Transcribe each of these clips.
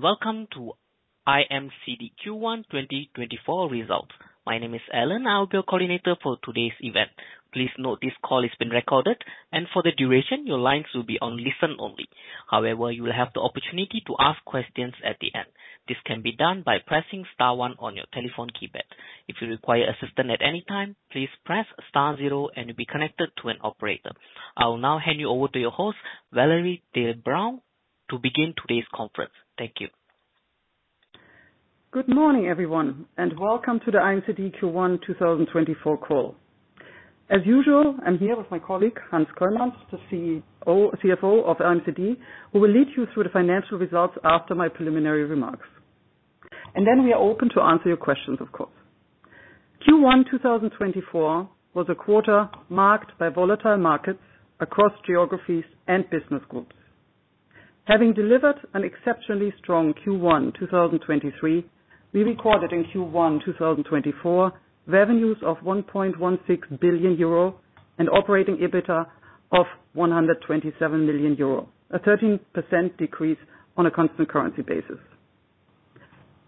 Welcome to IMCD Q1 2024 Results. My name is Alan. I will be your coordinator for today's event. Please note this call is being recorded, and for the duration, your lines will be on listen only. However, you will have the opportunity to ask questions at the end. This can be done by pressing star one on your telephone keypad. If you require assistance at any time, please press star zero and you'll be connected to an operator. I will now hand you over to your host, Valérie Diele-Braun, to begin today's conference. Thank you. Good morning, everyone, and welcome to the IMCD Q1 2024 call. As usual, I'm here with my colleague, Hans Kooijmans, the CFO of IMCD, who will lead you through the financial results after my preliminary remarks. And then we are open to answer your questions, of course. Q1 2024 was a quarter marked by volatile markets across geographies and business groups. Having delivered an exceptionally strong Q1 2023, we recorded in Q1 2024 revenues of 1.16 billion euro and operating EBITDA of 127 million euro, a 13% decrease on a constant currency basis.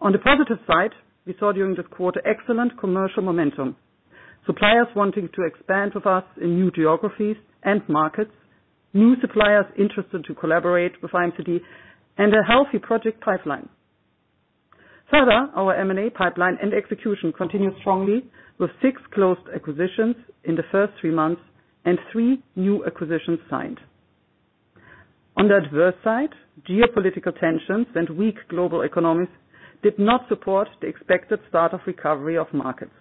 On the positive side, we saw during this quarter excellent commercial momentum, suppliers wanting to expand with us in new geographies and markets, new suppliers interested to collaborate with IMCD, and a healthy project pipeline. Further, our M&A pipeline and execution continued strongly with six closed acquisitions in the first three months and three new acquisitions signed. On the adverse side, geopolitical tensions and weak global economies did not support the expected start of recovery of markets,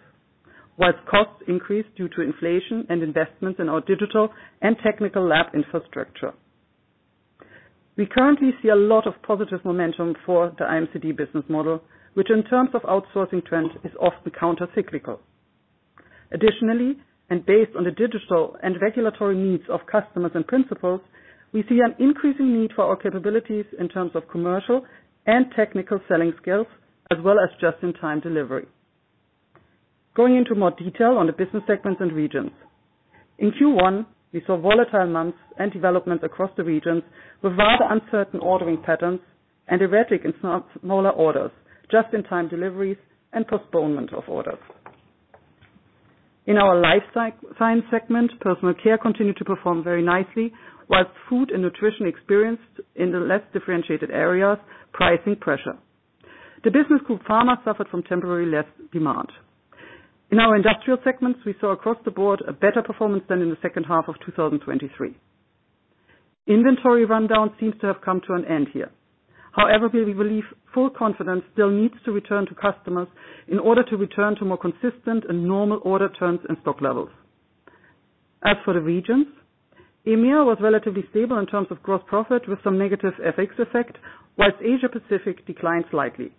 while costs increased due to inflation and investments in our digital and technical lab infrastructure. We currently see a lot of positive momentum for the IMCD business model, which in terms of outsourcing trend is often countercyclical. Additionally, and based on the digital and regulatory needs of customers and principals, we see an increasing need for our capabilities in terms of commercial and technical selling skills as well as just-in-time delivery. Going into more detail on the business segments and regions, in Q1, we saw volatile months and developments across the regions with rather uncertain ordering patterns and erratic and smaller orders, just-in-time deliveries, and postponement of orders. In our Life Science segment, personal care continued to perform very nicely, while food and nutrition experienced in the less differentiated areas pricing pressure. The business group pharma suffered from temporary less demand. In our industrial segments, we saw across the board a better performance than in the second half of 2023. Inventory rundown seems to have come to an end here. However, we believe full confidence still needs to return to customers in order to return to more consistent and normal order turns and stock levels. As for the regions, EMEA was relatively stable in terms of gross profit with some negative FX effect, while Asia-Pacific declined slightly.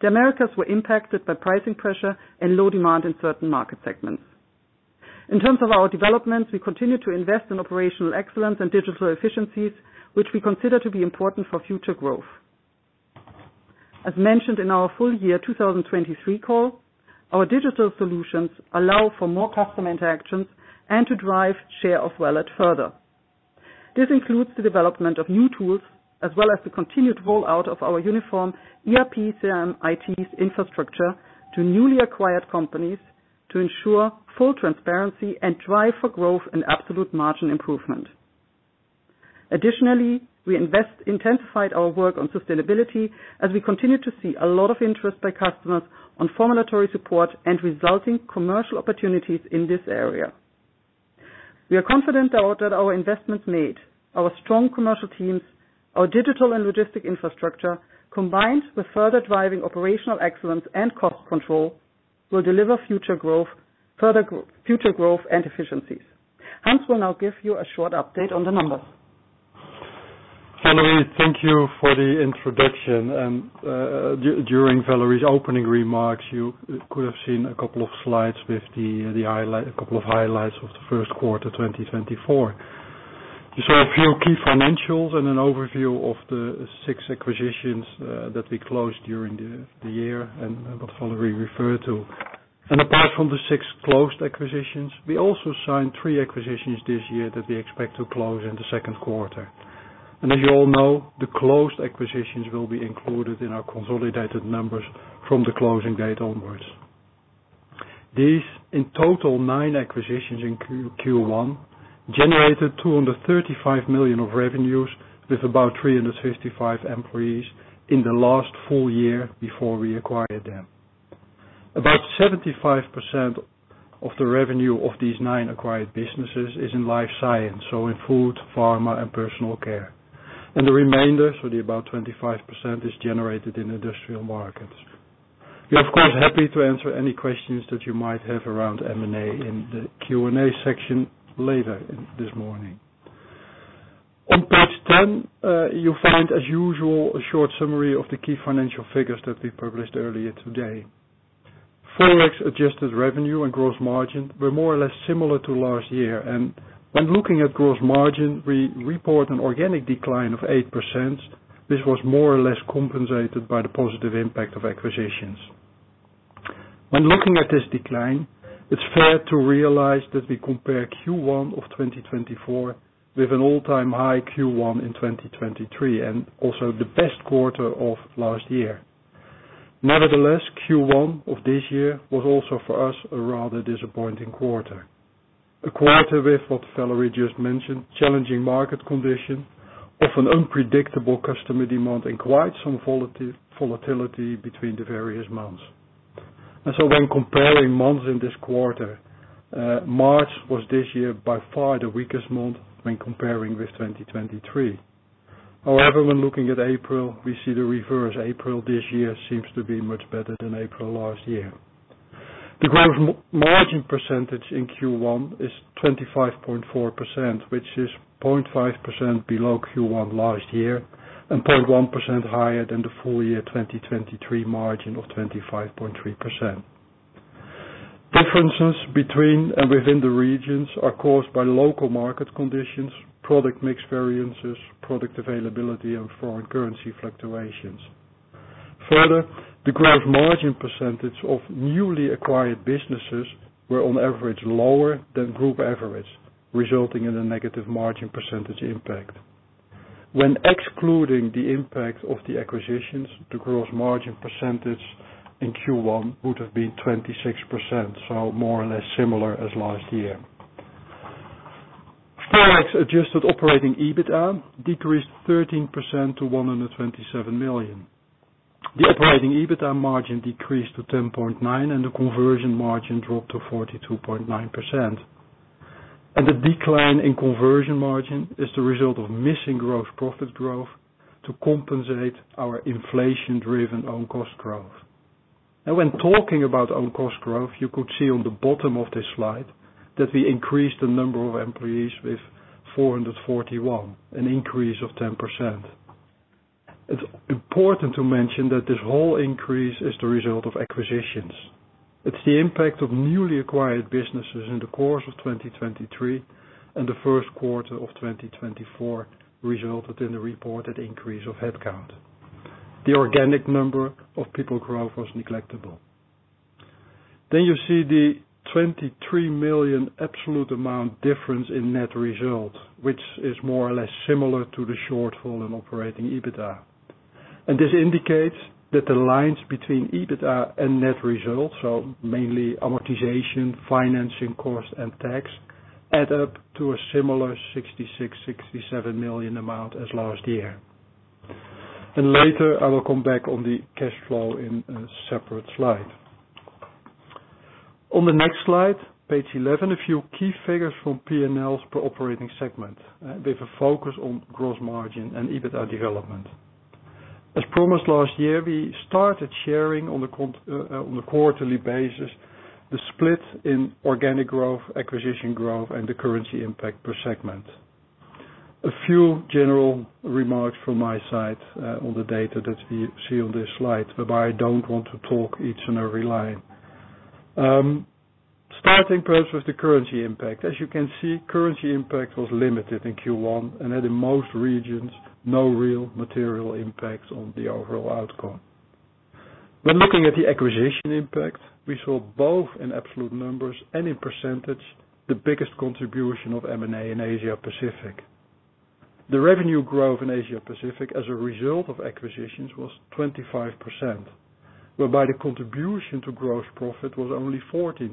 The Americas were impacted by pricing pressure and low demand in certain market segments. In terms of our developments, we continue to invest in operational excellence and digital efficiencies, which we consider to be important for future growth. As mentioned in our full year 2023 call, our digital solutions allow for more customer interactions and to drive share of wallet further. This includes the development of new tools as well as the continued rollout of our uniform ERP CRM IT infrastructure to newly acquired companies to ensure full transparency and drive for growth and absolute margin improvement. Additionally, we intensified our work on sustainability as we continue to see a lot of interest by customers on formulary support and resulting commercial opportunities in this area. We are confident that our investments made, our strong commercial teams, our digital and logistics infrastructure, combined with further driving operational excellence and cost control, will deliver future growth and efficiencies. Hans will now give you a short update on the numbers. Valérie, thank you for the introduction. During Valérie's opening remarks, you could have seen a couple of slides with a couple of highlights of the Q1 2024. You saw a few key financials and an overview of the six acquisitions that we closed during the year and what Valérie referred to. Apart from the six closed acquisitions, we also signed three acquisitions this year that we expect to close in the Q2. As you all know, the closed acquisitions will be included in our consolidated numbers from the closing date onwards. These, in total, nine acquisitions in Q1 generated 235 million of revenues with about 355 employees in the last full year before we acquired them. About 75% of the revenue of these nine acquired businesses is in life science, so in food, pharma, and personal care. The remainder, so about 25%, is generated in industrial markets. We are, of course, happy to answer any questions that you might have around M&A in the Q&A section later this morning. On page 10, you find, as usual, a short summary of the key financial figures that we published earlier today. Forex adjusted revenue and gross margin were more or less similar to last year. And when looking at gross margin, we report an organic decline of 8%. This was more or less compensated by the positive impact of acquisitions. When looking at this decline, it's fair to realize that we compare Q1 of 2024 with an all-time high Q1 in 2023 and also the best quarter of last year. Nevertheless, Q1 of this year was also, for us, a rather disappointing quarter, a quarter with, what Valérie just mentioned, challenging market conditions, often unpredictable customer demand, and quite some volatility between the various months. And so when comparing months in this quarter, March was this year by far the weakest month when comparing with 2023. However, when looking at April, we see the reverse. April this year seems to be much better than April last year. The gross margin percentage in Q1 is 25.4%, which is 0.5% below Q1 last year and 0.1% higher than the full year 2023 margin of 25.3%. Differences between and within the regions are caused by local market conditions, product mix variances, product availability, and foreign currency fluctuations. Further, the gross margin percentage of newly acquired businesses were, on average, lower than group averages, resulting in a negative margin percentage impact. When excluding the impact of the acquisitions, the gross margin percentage in Q1 would have been 26%, so more or less similar as last year. Forex adjusted operating EBITDA decreased 13% to 127 million. The operating EBITDA margin decreased to 10.9%, and the conversion margin dropped to 42.9%. The decline in conversion margin is the result of missing gross profit growth to compensate our inflation-driven own cost growth. When talking about own cost growth, you could see on the bottom of this slide that we increased the number of employees by 441, an increase of 10%. It's important to mention that this whole increase is the result of acquisitions. It's the impact of newly acquired businesses in the course of 2023 and the Q1 of 2024 resulted in the reported increase of headcount. The organic number of people growth was negligible. Then you see the 23 million absolute amount difference in net result, which is more or less similar to the shortfall in Operating EBITDA. This indicates that the lines between EBITDA and net result, so mainly amortization, financing cost, and tax, add up to a similar 66 to 67 million amount as last year. Later, I will come back on the cash flow in a separate slide. On the next slide, page 11, a few key figures from P&Ls per operating segment with a focus on gross margin and EBITDA development. As promised last year, we started sharing on a quarterly basis the split in organic growth, acquisition growth, and the currency impact per segment. A few general remarks from my side on the data that we see on this slide, whereby I don't want to talk each and every line. Starting, perhaps, with the currency impact. As you can see, currency impact was limited in Q1 and had, in most regions, no real material impact on the overall outcome. When looking at the acquisition impact, we saw both in absolute numbers and in percentage the biggest contribution of M&A in Asia-Pacific. The revenue growth in Asia-Pacific as a result of acquisitions was 25%, whereby the contribution to gross profit was only 14%.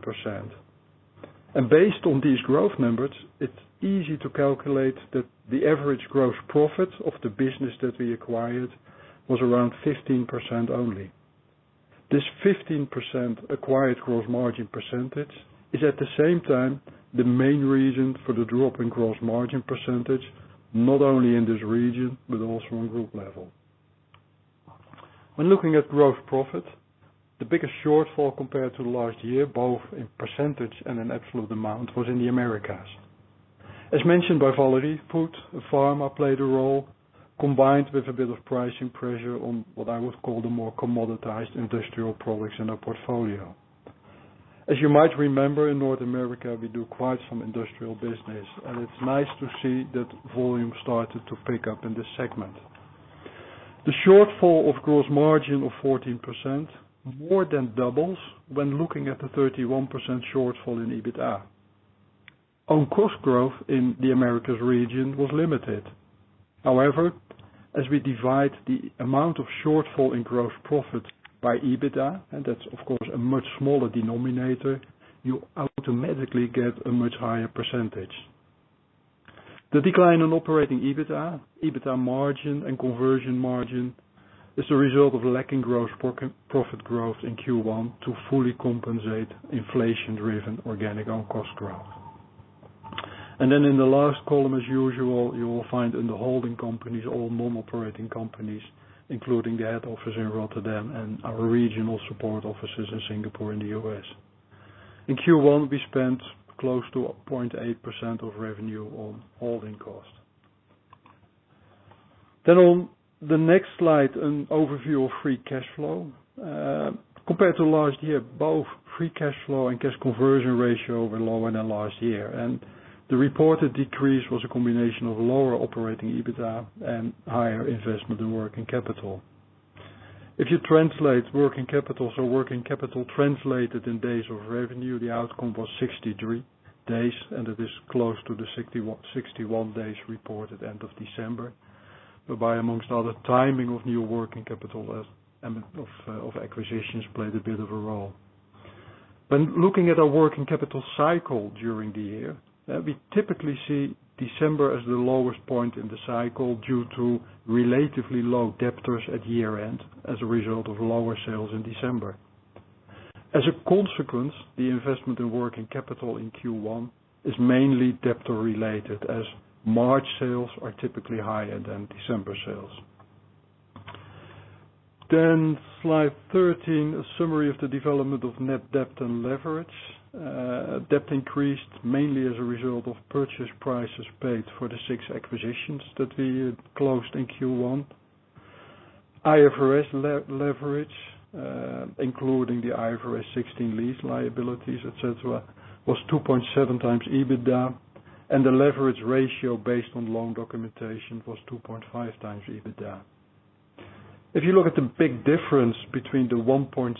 Based on these growth numbers, it's easy to calculate that the average gross profit of the business that we acquired was around 15% only. This 15% acquired gross margin percentage is, at the same time, the main reason for the drop in gross margin percentage not only in this region but also on group level. When looking at gross profit, the biggest shortfall compared to last year, both in percentage and in absolute amount, was in the Americas. As mentioned by Valérie, food and pharma played a role combined with a bit of pricing pressure on what I would call the more commoditized industrial products in our portfolio. As you might remember, in North America, we do quite some industrial business, and it's nice to see that volume started to pick up in this segment. The shortfall of gross margin of 14% more than doubles when looking at the 31% shortfall in EBITDA. Own cost growth in the Americas region was limited. However, as we divide the amount of shortfall in gross profit by EBITDA - and that's, of course, a much smaller denominator - you automatically get a much higher percentage. The decline in operating EBITDA, EBITDA margin, and conversion margin is the result of lacking gross profit growth in Q1 to fully compensate inflation-driven organic own cost growth. Then in the last column, as usual, you will find in the holding companies all non-operating companies, including the head office in Rotterdam and our regional support offices in Singapore and the US. In Q1, we spent close to 0.8% of revenue on holding costs. Then on the next slide, an overview of free cash flow. Compared to last year, both free cash flow and cash conversion ratio were lower than last year. The reported decrease was a combination of lower operating EBITDA and higher investment in working capital. If you translate working capital so working capital translated in days of revenue, the outcome was 63 days, and it is close to the 61 days reported end of December, whereby, amongst others, timing of new working capital of acquisitions played a bit of a role. When looking at our working capital cycle during the year, we typically see December as the lowest point in the cycle due to relatively low debtors at year-end as a result of lower sales in December. As a consequence, the investment in working capital in Q1 is mainly debtor-related as March sales are typically higher than December sales. Then slide 13, a summary of the development of net debt and leverage. Debt increased mainly as a result of purchase prices paid for the six acquisitions that we closed in Q1. IFRS leverage, including the IFRS 16 lease liabilities, etc., was 2.7x EBITDA, and the leverage ratio based on loan documentation was 2.5x EBITDA. If you look at the big difference between the 1.7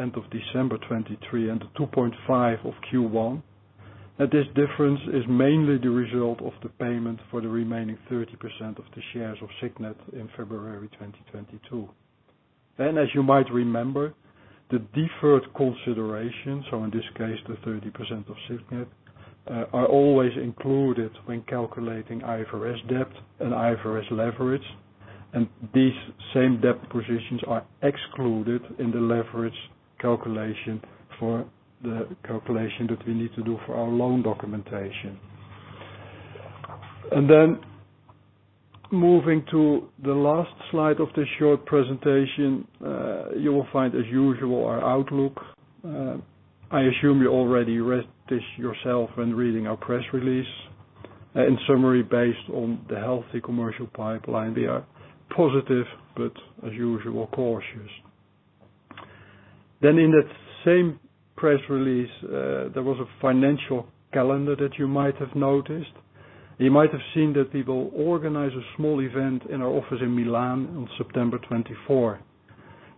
end of December 2023 and the 2.5 of Q1, this difference is mainly the result of the payment for the remaining 30% of the shares of Signet in February 2022. As you might remember, the deferred considerations, so in this case, the 30% of Signet, are always included when calculating IFRS debt and IFRS leverage, and these same debt positions are excluded in the leverage calculation that we need to do for our loan documentation. Moving to the last slide of this short presentation, you will find, as usual, our outlook. I assume you already read this yourself when reading our press release. In summary, based on the healthy commercial pipeline, we are positive but, as usual, cautious. In that same press release, there was a financial calendar that you might have noticed. You might have seen that we will organize a small event in our office in Milan on 24 September.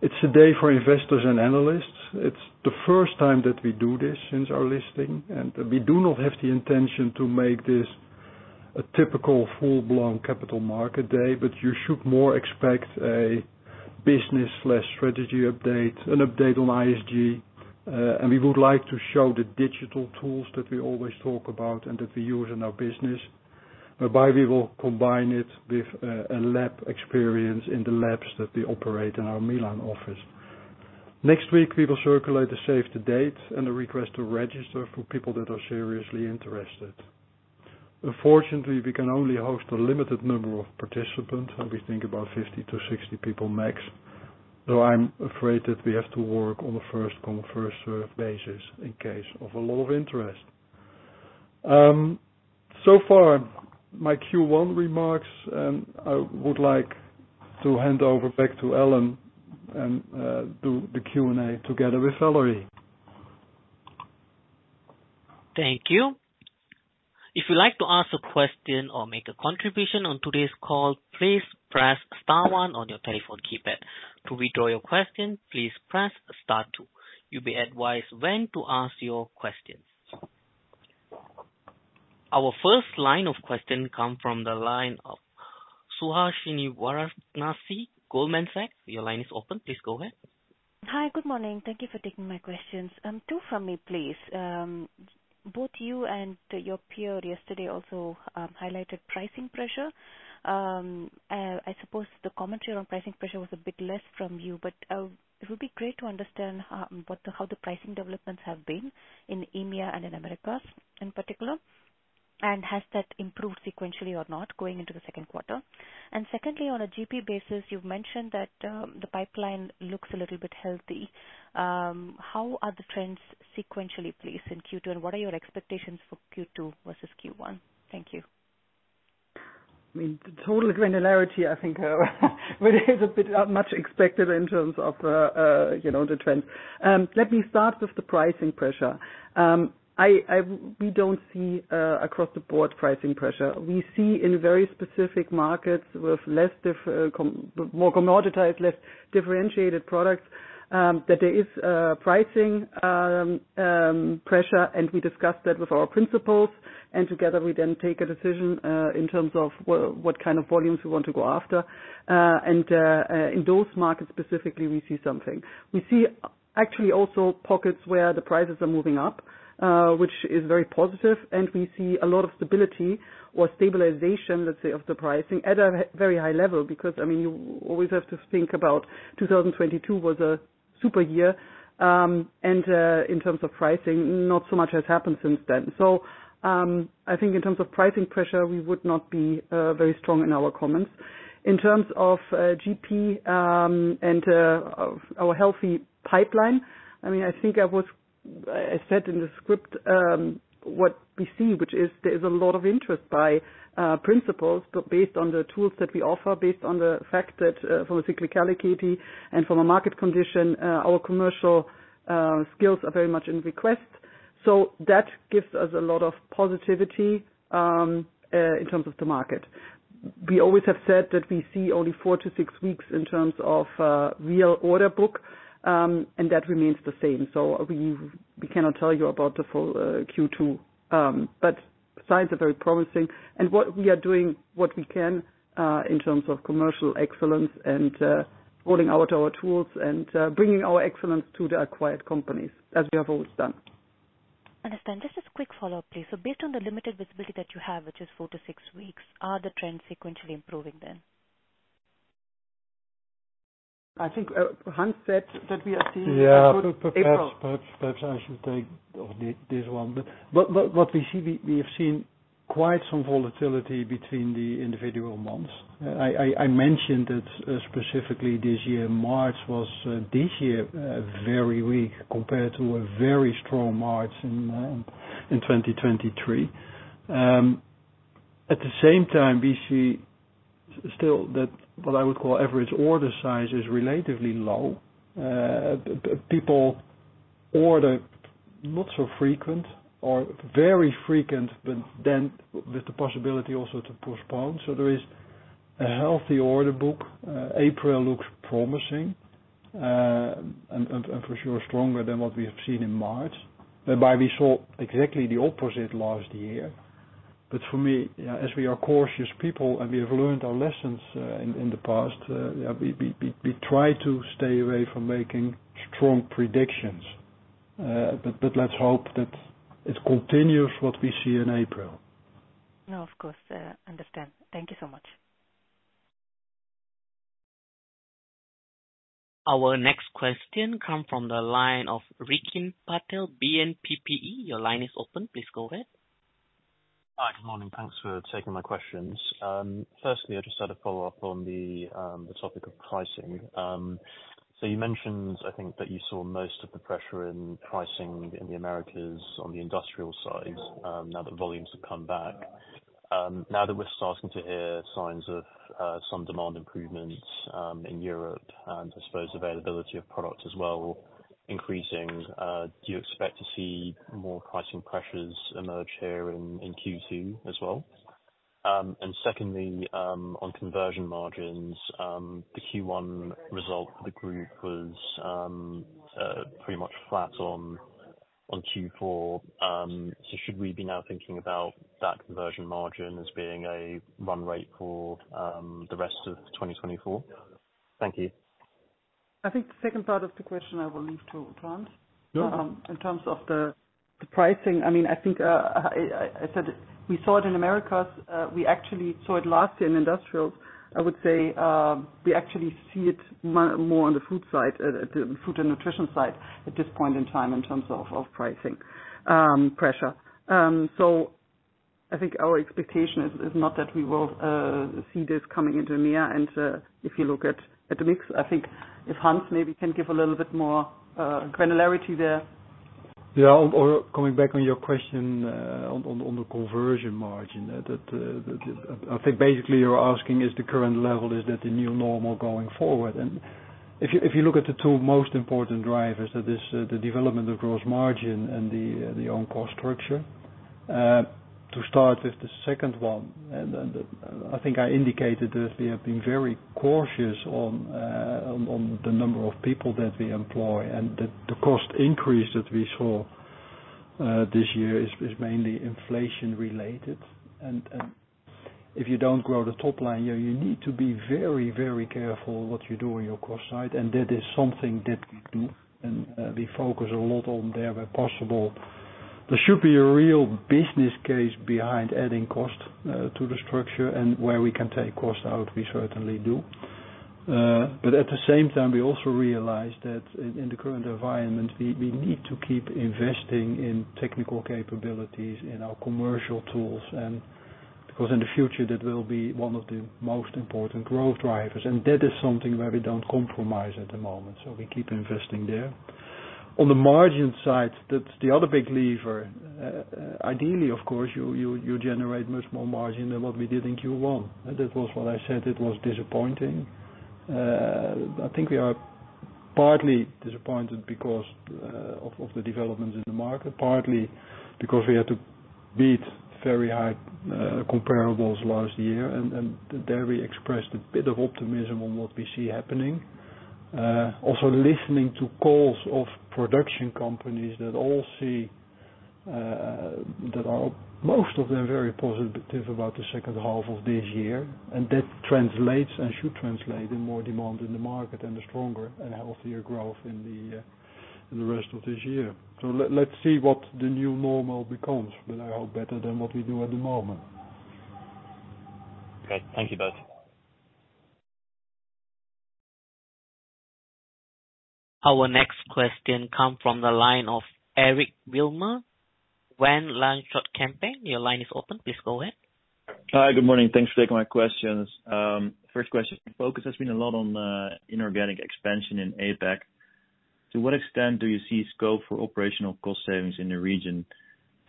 It's a day for investors and analysts. It's the first time that we do this since our listing, and we do not have the intention to make this a typical full-blown capital market day, but you should more expect a business/strategy update, an update on ESG. And we would like to show the digital tools that we always talk about and that we use in our business, whereby we will combine it with a lab experience in the labs that we operate in our Milan office. Next week, we will circulate a save-the-date and a request to register for people that are seriously interested. Unfortunately, we can only host a limited number of participants. We think about 50 to 60 people max, so I'm afraid that we have to work on a first-come, first-served basis in case of a lot of interest. So far, my Q1 remarks, and I would like to hand over back to Allan and do the Q&A together with Valérie. Thank you. If you'd like to ask a question or make a contribution on today's call, please press star one on your telephone keypad. To withdraw your question, please press star two. You'll be advised when to ask your questions. Our first line of questions come from the line of Suhasini Varanasi, Goldman Sachs. Your line is open. Please go ahead. Hi. Good morning. Thank you for taking my questions. Two from me, please. Both you and your peer yesterday also highlighted pricing pressure. I suppose the commentary on pricing pressure was a bit less from you, but it would be great to understand how the pricing developments have been in India and in Americas in particular, and has that improved sequentially or not going into the Q2? Secondly, on a GP basis, you've mentioned that the pipeline looks a little bit healthy. How are the trends sequentially, please, in Q2, and what are your expectations for Q2 versus Q1? Thank you. I mean, total granularity, I think, is a bit much expected in terms of the trends. Let me start with the pricing pressure. We don't see across-the-board pricing pressure. We see, in very specific markets with more commoditized, less differentiated products, that there is pricing pressure, and we discuss that with our principals. Together, we then take a decision in terms of what kind of volumes we want to go after. And in those markets specifically, we see something. We see actually also pockets where the prices are moving up, which is very positive, and we see a lot of stability or stabilization, let's say, of the pricing at a very high level because, I mean, you always have to think about 2022 was a super year. And in terms of pricing, not so much has happened since then. So I think in terms of pricing pressure, we would not be very strong in our comments. In terms of GP and our healthy pipeline, I mean, I think I said in the script what we see, which is there is a lot of interest by principals based on the tools that we offer, based on the fact that from a cyclicality and from a market condition, our commercial skills are very much in request. So that gives us a lot of positivity in terms of the market. We always have said that we see only 4 to 6 weeks in terms of real order book, and that remains the same. So we cannot tell you about the full Q2, but signs are very promising. And what we are doing, what we can in terms of commercial excellence and rolling out our tools and bringing our excellence to the acquired companies, as we have always done. Understood. And just a quick follow-up, please. So based on the limited visibility that you have, which is 4 to 6 weeks, are the trends sequentially improving then? I think Hans said that we are seeing a good April. Yeah. Perhaps I should take this one. But what we see, we have seen quite some volatility between the individual months. I mentioned that specifically this year, March was this year very weak compared to a very strong March in 2023. At the same time, we see still that what I would call average order size is relatively low. People order not so frequent or very frequent but then with the possibility also to postpone. So there is a healthy order book. April looks promising and for sure stronger than what we have seen in March, whereby we saw exactly the opposite last year. But for me, as we are cautious people and we have learned our lessons in the past, we try to stay away from making strong predictions. But let's hope that it continues what we see in April. No, of course. Understood. Thank you so much. Our next question comes from the line of Rikin Patel, BNP Paribas Exane. Your line is open. Please go ahead. Hi. Good morning. Thanks for taking my questions. Firstly, I just had a follow-up on the topic of pricing. So you mentioned, I think, that you saw most of the pressure in pricing in the Americas on the industrial side now that volumes have come back. Now that we're starting to hear signs of some demand improvements in Europe and, I suppose, availability of products as well increasing, do you expect to see more pricing pressures emerge here in Q2 as well? Secondly, on conversion margins, the Q1 result for the group was pretty much flat on Q4. So should we be now thinking about that conversion margin as being a run rate for the rest of 2024? Thank you. I think the second part of the question, I will leave to Hans. In terms of the pricing, I mean, I think I said we saw it in Americas. We actually saw it last year in industrials. I would say we actually see it more on the food side, the food and nutrition side at this point in time in terms of pricing pressure. So I think our expectation is not that we will see this coming into EMEA. And if you look at the mix, I think if Hans maybe can give a little bit more granularity there. Yeah. Coming back on your question on the conversion margin, I think basically you're asking is the current level, is that the new normal going forward? If you look at the two most important drivers, that is the development of gross margin and the own cost structure. To start with the second one, and I think I indicated that we have been very cautious on the number of people that we employ, and the cost increase that we saw this year is mainly inflation-related. If you don't grow the top line, you need to be very, very careful what you do on your cost side. That is something that we do, and we focus a lot on there where possible. There should be a real business case behind adding cost to the structure, and where we can take cost out, we certainly do. But at the same time, we also realize that in the current environment, we need to keep investing in technical capabilities, in our commercial tools because in the future, that will be one of the most important growth drivers. And that is something where we don't compromise at the moment, so we keep investing there. On the margin side, that's the other big lever. Ideally, of course, you generate much more margin than what we did in Q1. That was what I said. It was disappointing. I think we are partly disappointed because of the developments in the market, partly because we had to beat very high comparables last year. And there, we expressed a bit of optimism on what we see happening, also listening to calls of production companies that all see that most of them are very positive about the second half of this year. That translates and should translate in more demand in the market and a stronger and healthier growth in the rest of this year. So let's see what the new normal becomes, but I hope better than what we do at the moment. Great. Thank you both. Our next question comes from the line of Eric Wilmer from Van Lanschot Kempen. Your line is open. Please go ahead. Hi. Good morning. Thanks for taking my questions. First question, focus has been a lot on inorganic expansion in APAC. To what extent do you see scope for operational cost savings in the region?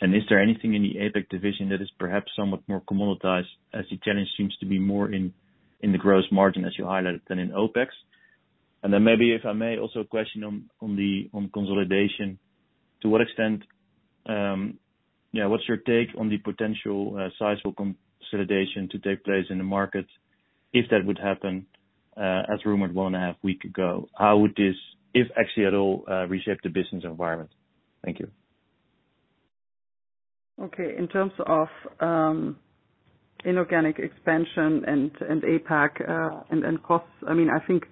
And is there anything in the APAC division that is perhaps somewhat more commoditized as the challenge seems to be more in the gross margin, as you highlighted, than in OPEX? And then maybe, if I may, also a question on consolidation. To what extent, yeah, what's your take on the potential sizeable consolidation to take place in the market if that would happen as rumored 1.5 weeks ago? How would this, if actually at all, reshape the business environment? Thank you. Okay. In terms of inorganic expansion and APAC and costs, I mean, I think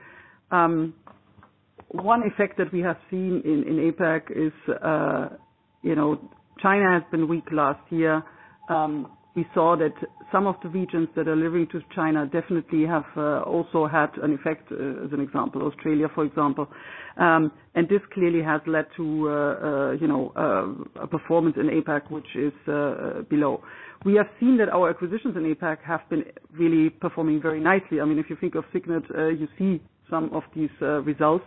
one effect that we have seen in APAC is China has been weak last year. We saw that some of the regions that are linked to China definitely have also had an effect, as an example, Australia, for example. And this clearly has led to a performance in APAC, which is below. We have seen that our acquisitions in APAC have been really performing very nicely. I mean, if you think of Signet, you see some of these results.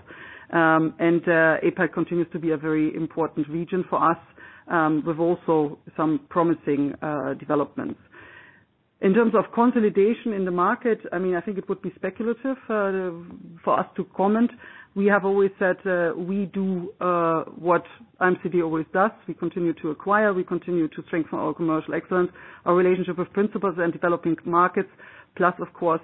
APAC continues to be a very important region for us with also some promising developments. In terms of consolidation in the market, I mean, I think it would be speculative for us to comment. We have always said we do what IMCD always does. We continue to acquire. We continue to strengthen our commercial excellence, our relationship with principals and developing markets, plus, of course,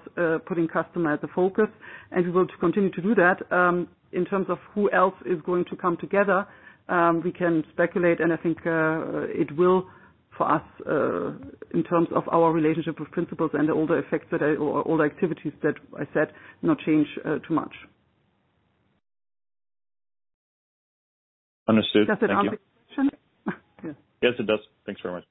putting customer as the focus. And we will continue to do that. In terms of who else is going to come together, we can speculate, and I think it will for us in terms of our relationship with principals and the older effects or older activities that I said not change too much. Understood. Thank you. Does that answer your question? Yes. Yes, it does. Thanks very much.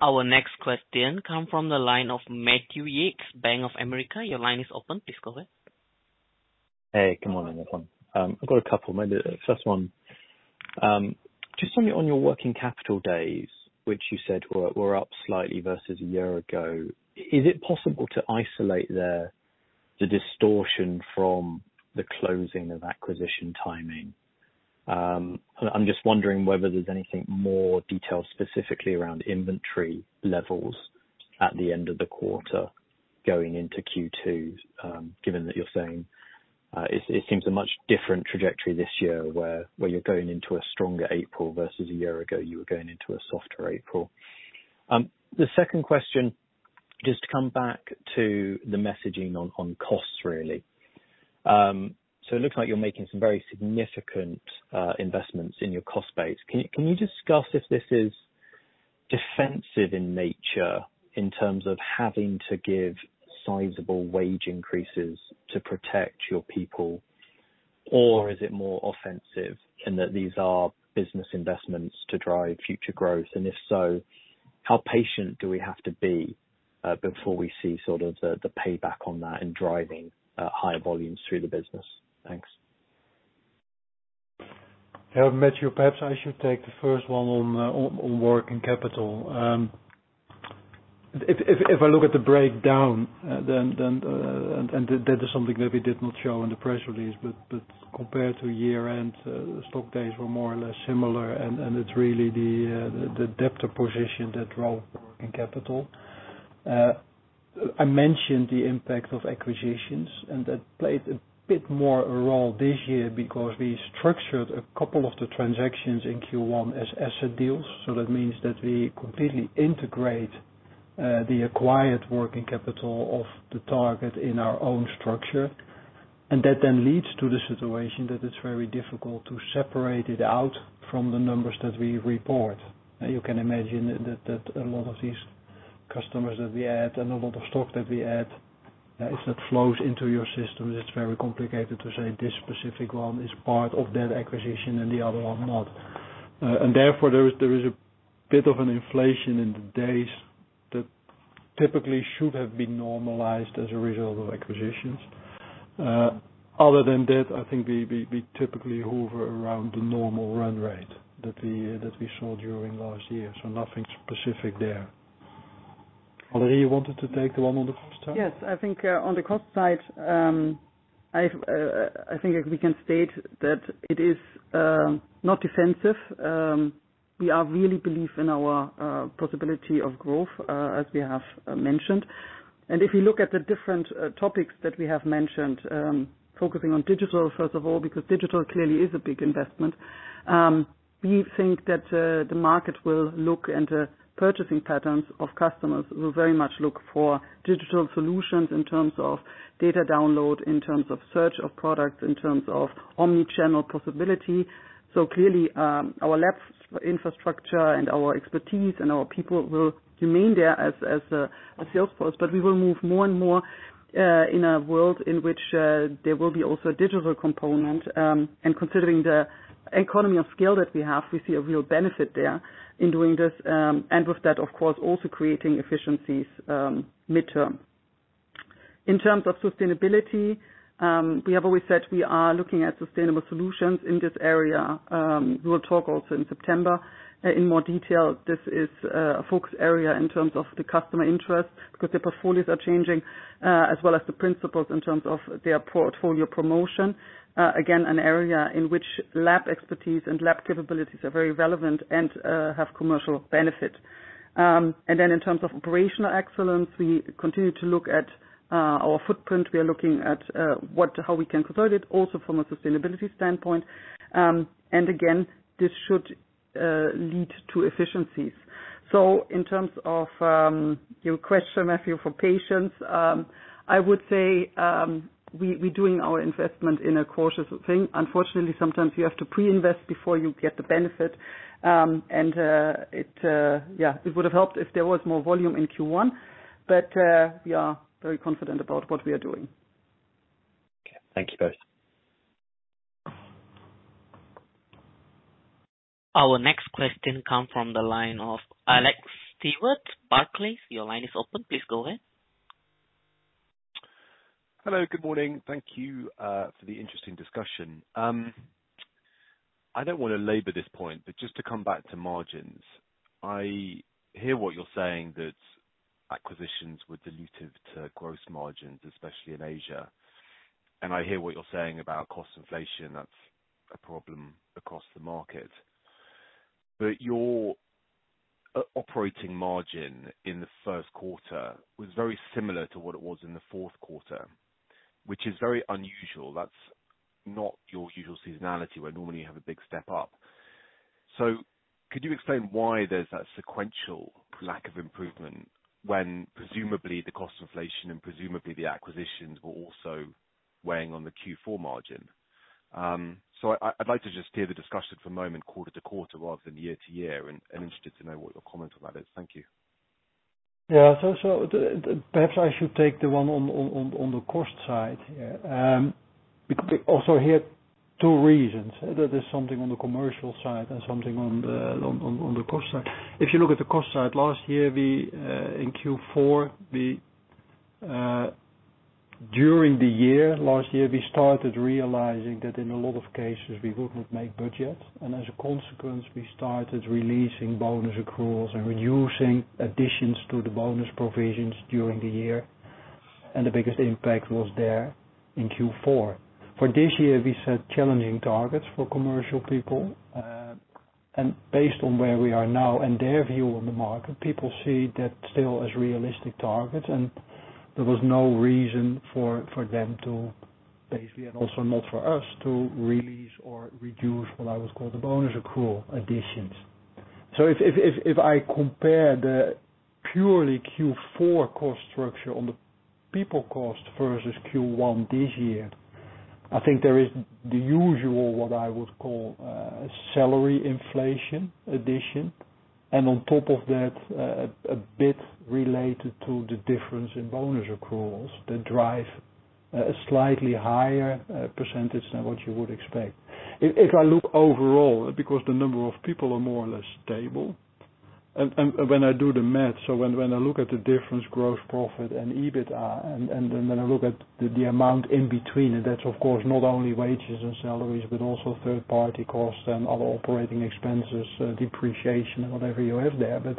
Our next question comes from the line of Matthew Yates, Bank of America. Your line is open. Please go ahead. Hey. Good morning, everyone. I've got a couple, maybe the first one. Just on your working capital days, which you said were up slightly versus a year ago, is it possible to isolate there the distortion from the closing of acquisition timing? And I'm just wondering whether there's anything more detailed specifically around inventory levels at the end of the quarter going into Q2, given that you're saying it seems a much different trajectory this year where you're going into a stronger April versus a year ago, you were going into a softer April. The second question, just to come back to the messaging on costs, really. So it looks like you're making some very significant investments in your cost base. Can you discuss if this is defensive in nature in terms of having to give sizable wage increases to protect your people, or is it more offensive in that these are business investments to drive future growth? And if so, how patient do we have to be before we see sort of the payback on that and driving higher volumes through the business? Thanks. Hey, Matthew, perhaps I should take the first one on working capital. If I look at the breakdown, and that is something that we did not show in the press release, but compared to year-end, stock days were more or less similar. It's really the debtor position that drove working capital. I mentioned the impact of acquisitions, and that played a bit more a role this year because we structured a couple of the transactions in Q1 as asset deals. So that means that we completely integrate the acquired working capital of the target in our own structure. And that then leads to the situation that it's very difficult to separate it out from the numbers that we report. You can imagine that a lot of these customers that we add and a lot of stock that we add, if that flows into your system, it's very complicated to say this specific one is part of that acquisition and the other one not. And therefore, there is a bit of an inflation in the days that typically should have been normalized as a result of acquisitions. Other than that, I think we typically hover around the normal run rate that we saw during last year. So nothing specific there. Valérie, you wanted to take the one on the cost side? Yes. I think on the cost side, I think we can state that it is not defensive. We really believe in our possibility of growth, as we have mentioned. And if you look at the different topics that we have mentioned, focusing on digital, first of all, because digital clearly is a big investment, we think that the market will look and the purchasing patterns of customers will very much look for digital solutions in terms of data download, in terms of search of products, in terms of omnichannel possibility. So clearly, our lab infrastructure and our expertise and our people will remain there as a sales force, but we will move more and more in a world in which there will be also a digital component. Considering the economy of scale that we have, we see a real benefit there in doing this and with that, of course, also creating efficiencies mid-term. In terms of sustainability, we have always said we are looking at sustainable solutions in this area. We will talk also in September in more detail. This is a focus area in terms of the customer interest because their portfolios are changing as well as the principals in terms of their portfolio promotion. Again, an area in which lab expertise and lab capabilities are very relevant and have commercial benefit. And then in terms of operational excellence, we continue to look at our footprint. We are looking at how we can consolidate also from a sustainability standpoint. And again, this should lead to efficiencies. So in terms of your question, Matthew, for patience, I would say we're doing our investment in a cautious thing. Unfortunately, sometimes you have to pre-invest before you get the benefit. And yeah, it would have helped if there was more volume in Q1, but we are very confident about what we are doing. Okay. Thank you both. Our next question comes from the line of Alex Stewart, Barclays. Your line is open. Please go ahead. Hello. Good morning. Thank you for the interesting discussion. I don't want to labor this point, but just to come back to margins, I hear what you're saying, that acquisitions were dilutive to gross margins, especially in Asia. And I hear what you're saying about cost inflation. That's a problem across the market. But your operating margin in the Q1 was very similar to what it was in the Q4, which is very unusual. That's not your usual seasonality where normally you have a big step up. So could you explain why there's that sequential lack of improvement when presumably the cost inflation and presumably the acquisitions were also weighing on the Q4 margin? So I'd like to just steer the discussion for a moment quarter to quarter rather than year to year and interested to know what your comment on that is. Thank you. Yeah. So perhaps I should take the one on the cost side here. Also here, two reasons. That is something on the commercial side and something on the cost side. If you look at the cost side, last year, in Q4, during the year last year, we started realizing that in a lot of cases, we would not make budgets. And as a consequence, we started releasing bonus accruals and reducing additions to the bonus provisions during the year. And the biggest impact was there in Q4. For this year, we set challenging targets for commercial people. And based on where we are now and their view on the market, people see that still as realistic targets. And there was no reason for them to basically and also not for us to release or reduce what I would call the bonus accrual additions. So if I compare the purely Q4 cost structure on the people cost versus Q1 this year, I think there is the usual what I would call salary inflation addition. On top of that, a bit related to the difference in bonus accruals that drive a slightly higher percentage than what you would expect. If I look overall because the number of people are more or less stable. When I do the math so when I look at the difference, Gross Profit and EBITDA, and then I look at the amount in between, and that's, of course, not only wages and salaries but also third-party costs and other operating expenses, depreciation, and whatever you have there. If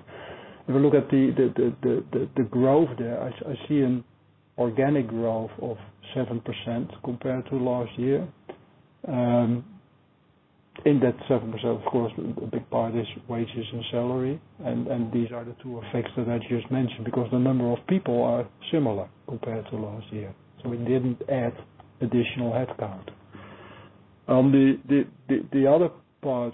I look at the growth there, I see an organic growth of 7% compared to last year. In that 7%, of course, a big part is wages and salary. These are the two effects that I just mentioned because the number of people are similar compared to last year. We didn't add additional headcount. On the other part,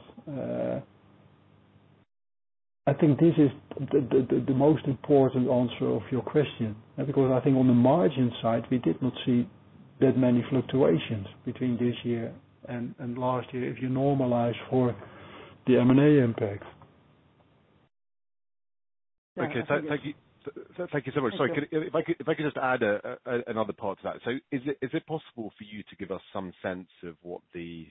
I think this is the most important answer of your question because I think on the margin side, we did not see that many fluctuations between this year and last year if you normalize for the M&A impact. Okay. Thank you. Thank you so much. Sorry. If I could just add another part to that. So is it possible for you to give us some sense of what the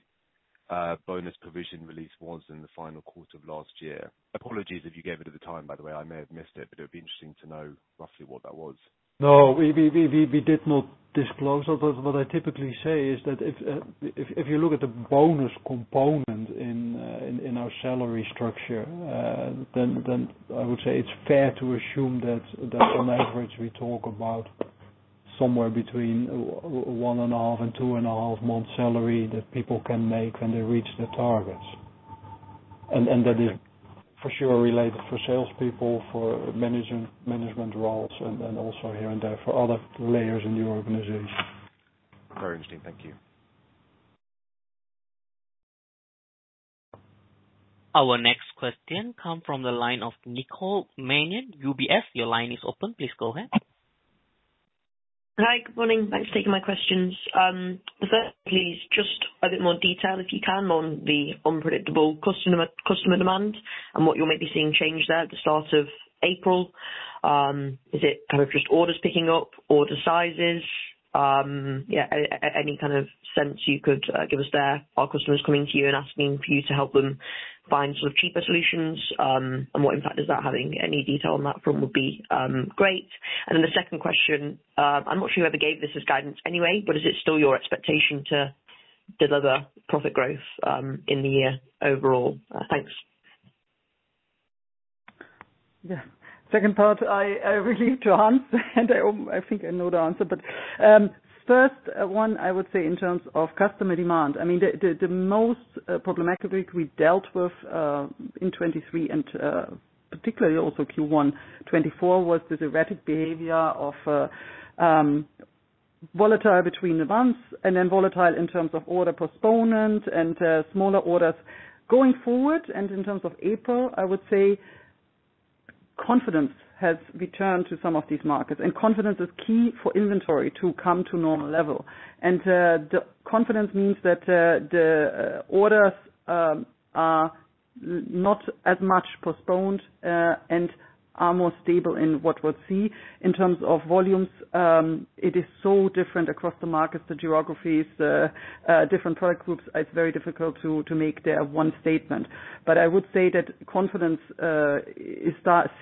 bonus provision release was in the final quarter of last year? Apologies if you gave it at the time, by the way. I may have missed it, but it would be interesting to know roughly what that was. No. We did not disclose. What I typically say is that if you look at the bonus component in our salary structure, then I would say it's fair to assume that on average, we talk about somewhere between 1.5 to 2.5 month salary that people can make when they reach their targets. And that is for sure related for salespeople, for management roles, and also here and there for other layers in the organization. Very interesting. Thank you. Our next question comes from the line of Nicole Manion, UBS. Your line is open. Please go ahead. Hi. Good morning. Thanks for taking my questions. The first, please, just a bit more detail if you can on the unpredictable customer demand and what you might be seeing change there at the start of April. Is it kind of just orders picking up, order sizes? Yeah. Any kind of sense you could give us there, our customers coming to you and asking for you to help them find sort of cheaper solutions, and what impact is that having? Any detail on that from you would be great. And then the second question, I'm not sure whoever gave this as guidance anyway, but is it still your expectation to deliver profit growth in the year overall? Thanks. Yeah. Second part, I'm relieved to answer, and I think I know the answer. But first one, I would say in terms of customer demand. I mean, the most problematic we dealt with in 2023 and particularly also Q1 2024 was this erratic behavior of volatility between the months and then volatility in terms of order postponement and smaller orders going forward. And in terms of April, I would say confidence has returned to some of these markets. Confidence is key for inventory to come to normal level. Confidence means that the orders are not as much postponed and are more stable in what we'll see. In terms of volumes, it is so different across the markets, the geographies, different product groups, it's very difficult to make there one statement. But I would say that confidence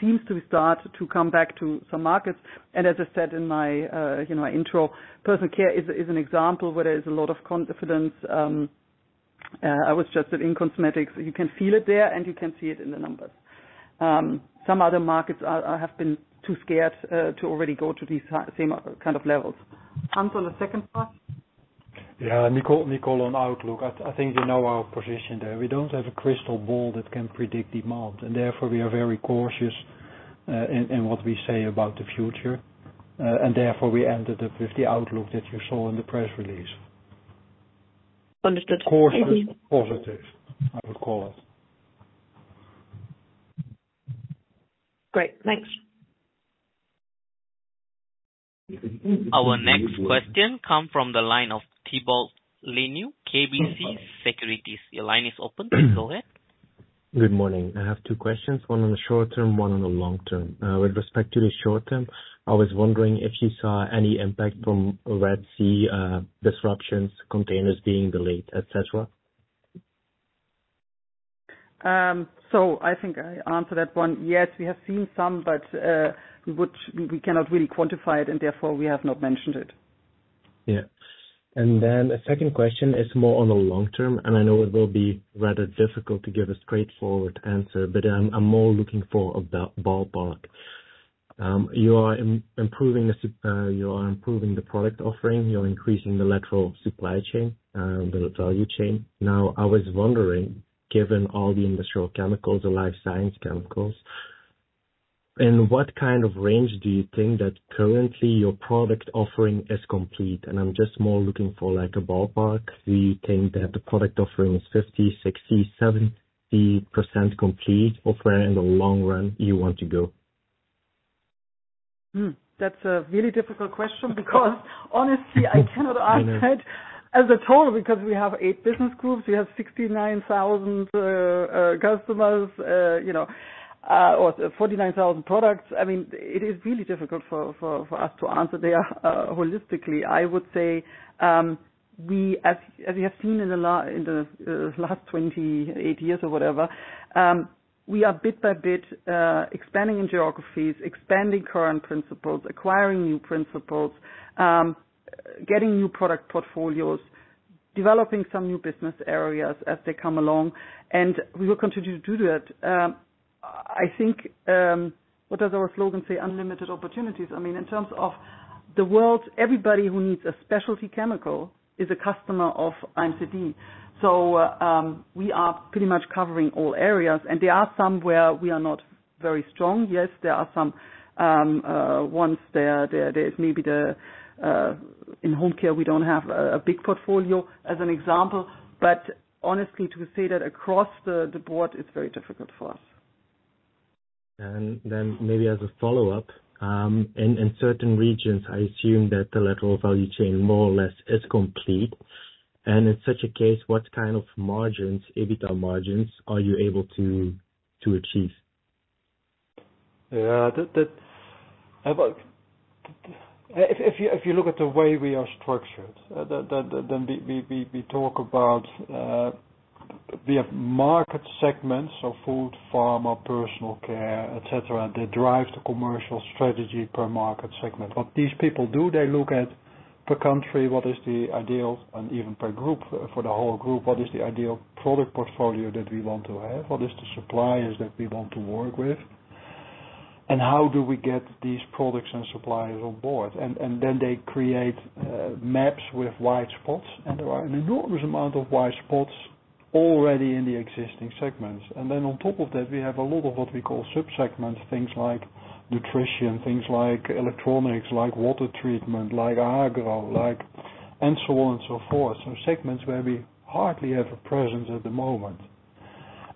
seems to start to come back to some markets. And as I said in my intro, personal care is an example where there is a lot of confidence. I was just in cosmetics. You can feel it there, and you can see it in the numbers. Some other markets have been too scared to already go to these same kind of levels. Hans, on the second part? Yeah. Nicole on Outlook. I think you know our position there. We don't have a crystal ball that can predict demands. And therefore, we are very cautious in what we say about the future. And therefore, we ended up with the outlook that you saw in the press release. Understood. Thank you. Cautious positive, I would call it. Great. Thanks. Our next question comes from the line of Thibault Leneeuw, KBC Securities. Your line is open. Please go ahead. Good morning. I have two questions, one on the short term, one on the long term. With respect to the short term, I was wondering if you saw any impact from Red Sea disruptions, containers being delayed, etc. So I think I answered that one. Yes, we have seen some, but we cannot really quantify it, and therefore, we have not mentioned it. Yeah. And then a second question is more on the long term. And I know it will be rather difficult to give a straightforward answer, but I'm more looking for a ballpark. You are improving the product offering. You're increasing the lateral supply chain, the value chain. Now, I was wondering, given all the industrial chemicals, the life science chemicals, in what kind of range do you think that currently your product offering is complete? And I'm just more looking for a ballpark. Do you think that the product offering is 50%, 60%, 70% complete of where in the long run you want to go? That's a really difficult question because, honestly, I cannot answer it as a total because we have eight business groups. We have 69,000 customers or 49,000 products. I mean, it is really difficult for us to answer there holistically. I would say, as you have seen in the last 28 years or whatever, we are bit by bit expanding in geographies, expanding current principals, acquiring new principals, getting new product portfolios, developing some new business areas as they come along. And we will continue to do that. I think what does our slogan say? Unlimited opportunities. I mean, in terms of the world, everybody who needs a specialty chemical is a customer of IMCD. So we are pretty much covering all areas. And there are some where we are not very strong. Yes, there are some ones there is maybe the in home care, we don't have a big portfolio as an example. But honestly, to say that across the board, it's very difficult for us. And then maybe as a follow-up, in certain regions, I assume that the lateral value chain more or less is complete. And in such a case, what kind of margins, EBITDA margins, are you able to achieve? Yeah. If you look at the way we are structured, then we talk about we have market segments of food, pharma, personal care, etc. They drive the commercial strategy per market segment. What these people do, they look at per country, what is the ideal and even per group, for the whole group, what is the ideal product portfolio that we want to have? What is the suppliers that we want to work with? And how do we get these products and suppliers on board? And then they create maps with white spots. And there are an enormous amount of white spots already in the existing segments. And then on top of that, we have a lot of what we call subsegments, things like nutrition, things like electronics, like water treatment, like agro, and so on and so forth. So segments where we hardly have a presence at the moment.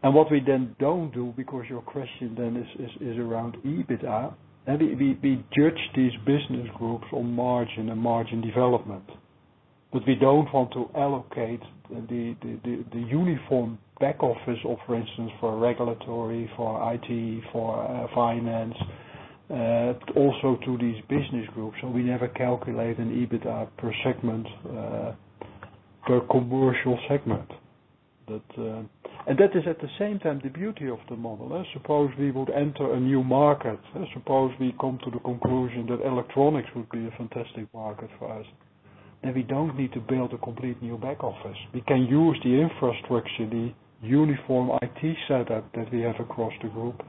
And what we then don't do because your question then is around EBITDA, we judge these business groups on margin and margin development. But we don't want to allocate the uniform backoffice of, for instance, for regulatory, for IT, for finance, also to these business groups. So we never calculate an EBITDA per segment, per commercial segment. And that is at the same time the beauty of the model. Suppose we would enter a new market. Suppose we come to the conclusion that electronics would be a fantastic market for us. Then we don't need to build a complete new backoffice. We can use the infrastructure, the uniform IT setup that we have across the group.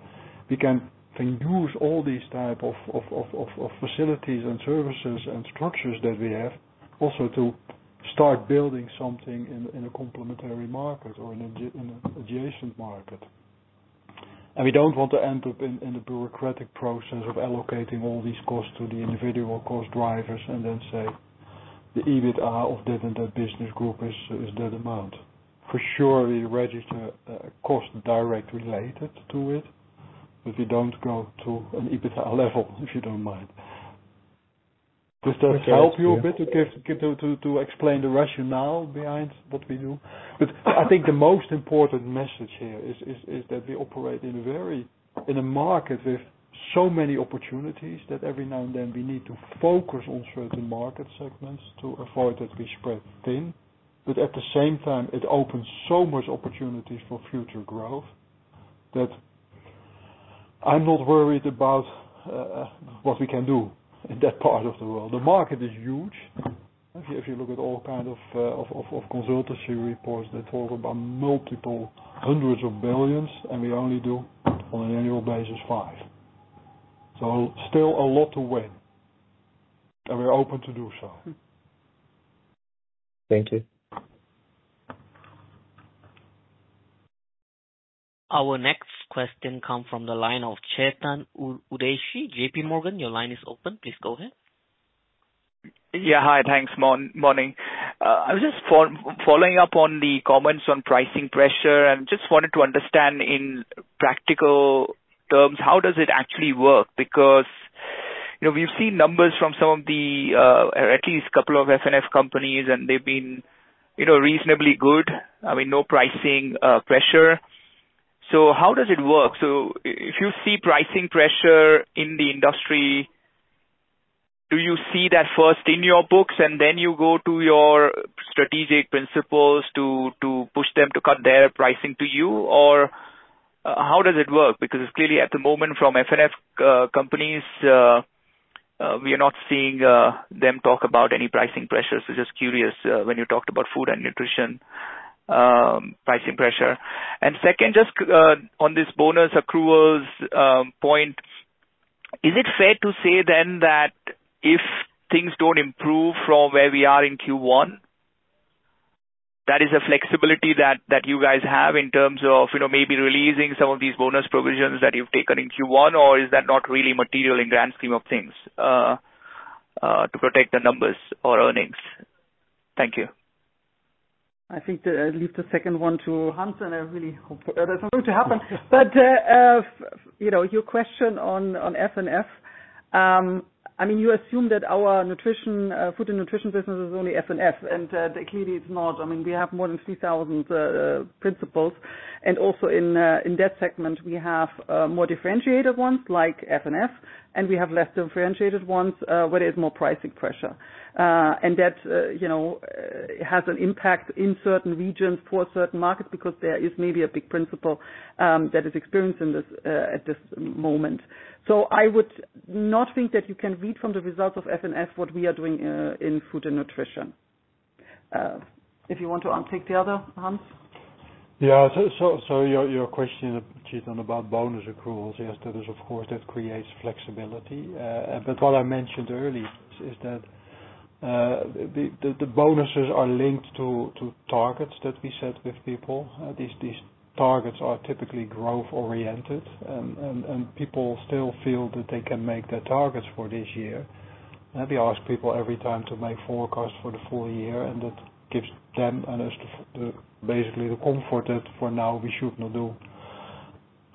We can use all these types of facilities and services and structures that we have also to start building something in a complementary market or in an adjacent market. We don't want to end up in the bureaucratic process of allocating all these costs to the individual cost drivers and then say, "The EBITDA of that and that business group is that amount." For sure, we register cost directly related to it, but we don't go to an EBITDA level, if you don't mind. Does that help you a bit to explain the rationale behind what we do? But I think the most important message here is that we operate in a market with so many opportunities that every now and then, we need to focus on certain market segments to avoid that we spread thin. But at the same time, it opens so much opportunities for future growth that I'm not worried about what we can do in that part of the world. The market is huge. If you look at all kinds of consultancy reports that talk about multiple hundreds of billions, and we only do on an annual basis five. So still a lot to win. And we're open to do so. Thank you. Our next question comes from the line of Chetan Udeshi, J.P. Morgan. Your line is open. Please go ahead. Yeah. Hi. Thanks. Morning. I was just following up on the comments on pricing pressure and just wanted to understand in practical terms, how does it actually work? Because we've seen numbers from some of the at least a couple of F&F companies, and they've been reasonably good. I mean, no pricing pressure. So how does it work? So if you see pricing pressure in the industry, do you see that first in your books, and then you go to your strategic principles to push them to cut their pricing to you? Or how does it work? Because clearly, at the moment, from F&F companies, we are not seeing them talk about any pricing pressures. So just curious when you talked about food and nutrition pricing pressure? And second, just on this bonus accruals point, is it fair to say then that if things don't improve from where we are in Q1, that is a flexibility that you guys have in terms of maybe releasing some of these bonus provisions that you've taken in Q1? Or is that not really material in grand scheme of things to protect the numbers or earnings? Thank you. I think to leave the second one to Hans, and I really hope there's nothing to happen. But your question on F&F, I mean, you assume that our food and nutrition business is only F&F. And clearly, it's not. I mean, we have more than 3,000 principals. And also in that segment, we have more differentiated ones like F&F, and we have less differentiated ones where there is more pricing pressure. That has an impact in certain regions for certain markets because there is maybe a big principal that is experiencing this at this moment. So I would not think that you can read from the results of F&F what we are doing in food and nutrition. If you want to take over, Hans. Yeah. So your question, Chetan, about bonus accruals, yes, there is, of course, that creates flexibility. But what I mentioned earlier is that the bonuses are linked to targets that we set with people. These targets are typically growth-oriented, and people still feel that they can make their targets for this year. We ask people every time to make forecasts for the full year, and that gives them and us basically the comfort that for now, we should not do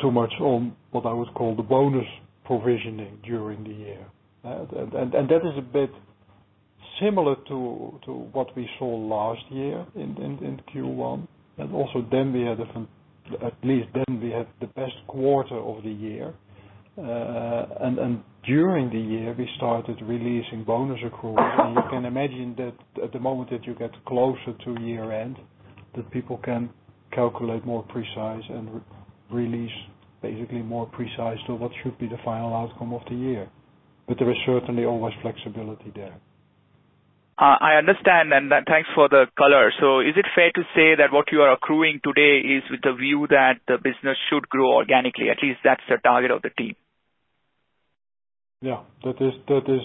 too much on what I would call the bonus provisioning during the year. And that is a bit similar to what we saw last year in Q1. And also then, at least then, we had the best quarter of the year. And during the year, we started releasing bonus accruals. And you can imagine that at the moment that you get closer to year-end, that people can calculate more precise and release basically more precise to what should be the final outcome of the year. But there is certainly always flexibility there. I understand. And thanks for the color. So is it fair to say that what you are accruing today is with the view that the business should grow organically? At least that's the target of the team. Yeah. That is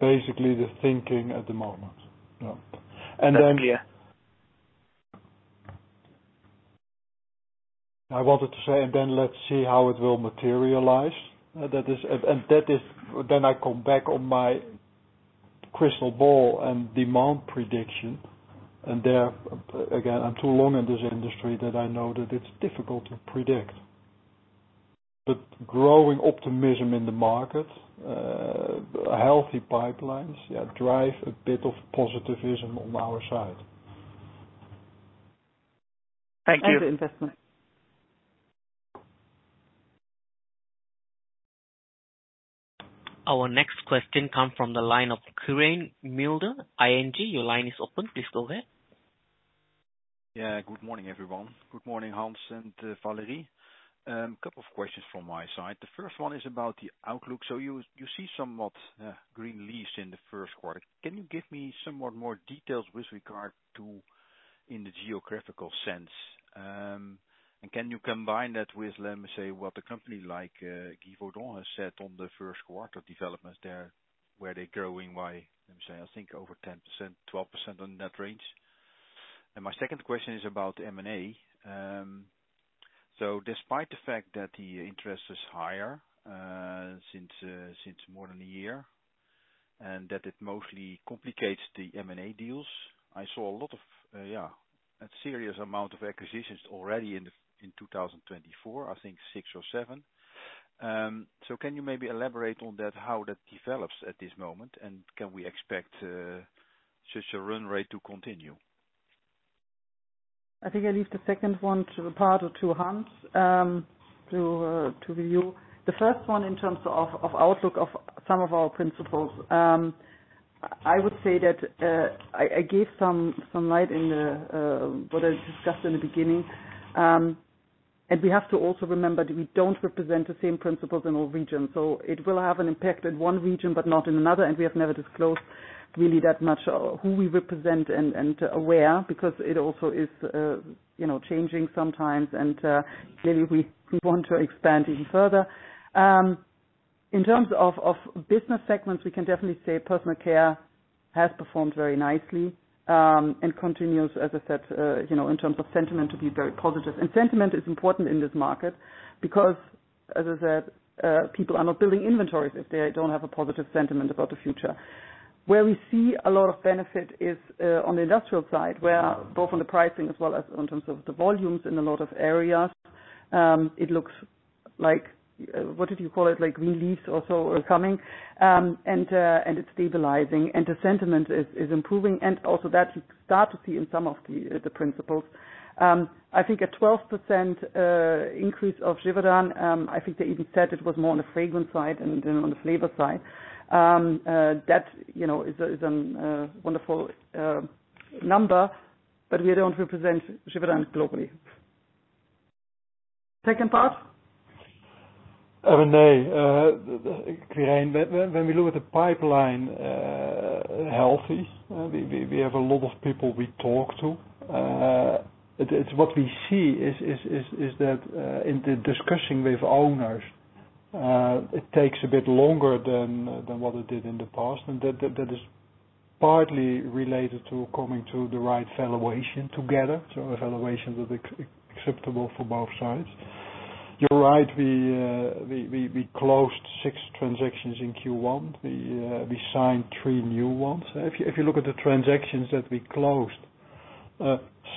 basically the thinking at the moment. Yeah. And then I wanted to say, and then let's see how it will materialize. And then I come back on my crystal ball and demand prediction. And again, I'm too long in this industry that I know that it's difficult to predict. But growing optimism in the market, healthy pipelines, yeah, drive a bit of positivism on our side. Thank you. Our next question comes from the line of Quirijn Mulder, ING. Your line is open. Please go ahead. Yeah. Good morning, everyone. Good morning, Hans and Valérie. A couple of questions from my side. The first one is about the outlook. So you see somewhat green leaves in the Q1. Can you give me somewhat more details with regard to in the geographical sense? And can you combine that with, let me say, what the company like Givaudan has said on the Q1 developments there where they're growing by, let me say, I think, over 10%-12% on that range? And my second question is about M&A. So despite the fact that the interest is higher since more than a year and that it mostly complicates the M&A deals, I saw a lot of, yeah, a serious amount of acquisitions already in 2024, I think, six or seven. So can you maybe elaborate on that, how that develops at this moment? And can we expect such a run rate to continue? I think I leave the second one to the latter two, Hans, to review. The one in terms of outlook of some of our principles, I would say that I gave some light in what I discussed in the beginning. We have to also remember that we don't represent the same principles in all regions. It will have an impact in one region but not in another. We have never disclosed really that much who we represent and where because it also is changing sometimes. Clearly, we want to expand even further. In terms of business segments, we can definitely say personal care has performed very nicely and continues, as I said, in terms of sentiment to be very positive. Sentiment is important in this market because, as I said, people are not building inventories if they don't have a positive sentiment about the future. Where we see a lot of benefit is on the industrial side where both on the pricing as well as in terms of the volumes in a lot of areas, it looks like what did you call it? Green leaves or so. Coming, and it's stabilizing. And the sentiment is improving. And also that, you start to see in some of the principals. I think a 12% increase of Givaudan. I think they even said it was more on the fragrance side than on the flavor side. That is a wonderful number, but we don't represent Givaudan globally. Second part? I mean, Quirijn, when we look at the pipeline healthy, we have a lot of people we talk to. What we see is that in the discussion with owners, it takes a bit longer than what it did in the past. That is partly related to coming to the right valuation together, so a valuation that's acceptable for both sides. You're right. We closed six transactions in Q1. We signed three new ones. If you look at the transactions that we closed,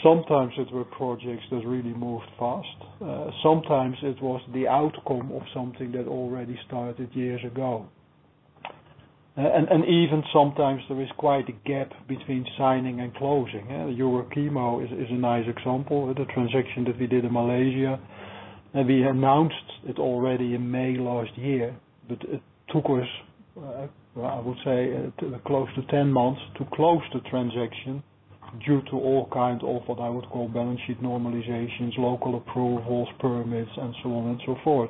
sometimes it were projects that really moved fast. Sometimes it was the outcome of something that already started years ago. And even sometimes, there is quite a gap between signing and closing. Euro Chemo is a nice example, the transaction that we did in Malaysia. And we announced it already in May last year, but it took us, I would say, close to 10 months to close the transaction due to all kinds of what I would call balance sheet normalizations, local approvals, permits, and so on and so forth.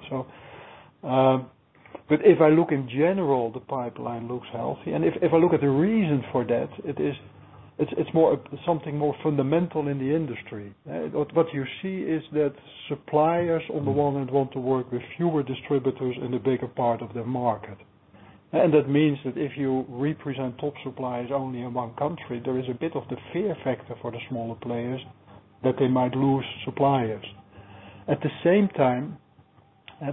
But if I look in general, the pipeline looks healthy. And if I look at the reason for that, it's something more fundamental in the industry. What you see is that suppliers, on the one hand, want to work with fewer distributors in a bigger part of the market. And that means that if you represent top suppliers only in one country, there is a bit of the fear factor for the smaller players that they might lose suppliers. At the same time,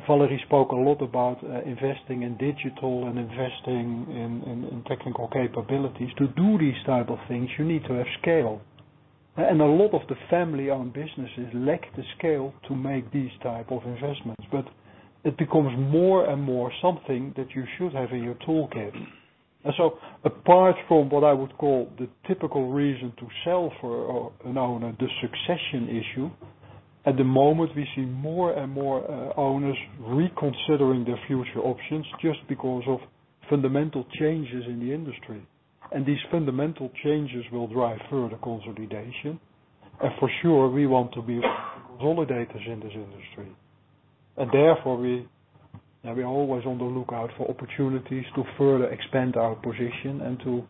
Valérie spoke a lot about investing in digital and investing in technical capabilities. To do these type of things, you need to have scale. And a lot of the family-owned businesses lack the scale to make these type of investments. But it becomes more and more something that you should have in your toolkit. And so apart from what I would call the typical reason to sell for an owner, the succession issue, at the moment, we see more and more owners reconsidering their future options just because of fundamental changes in the industry. And these fundamental changes will drive further consolidation. And for sure, we want to be consolidators in this industry. And therefore, we are always on the lookout for opportunities to further expand our position and to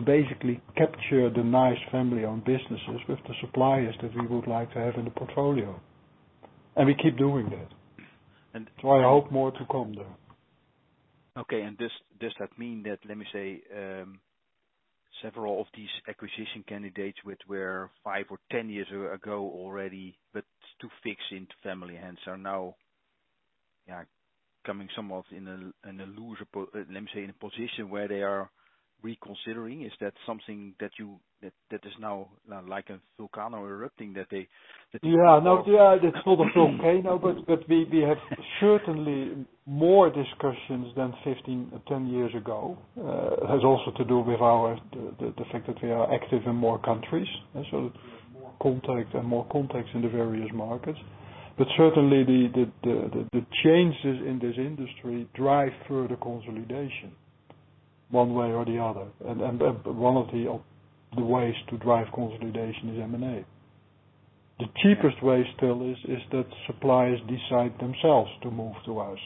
basically capture the nice family-owned businesses with the suppliers that we would like to have in the portfolio. And we keep doing that. So I hope more to come there. Okay. And does that mean that, let me say, several of these acquisition candidates which were five or 10 years ago already but too fixed into family hands are now, yeah, coming somewhat in a looser let me say, in a position where they are reconsidering? Is that something that is now like a volcano erupting that they? Yeah. It's not a volcano now, but we have certainly more discussions than 15 or 10 years ago. It has also to do with the fact that we are active in more countries, so more contact and more contacts in the various markets. But certainly, the changes in this industry drive further consolidation one way or the other. And one of the ways to drive consolidation is M&A. The cheapest way still is that suppliers decide themselves to move to us.